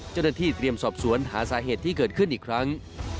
เจ้าหน้าที่เตรียมสอบสวนหาสาเหตุที่เกิดขึ้นอีกครั้ง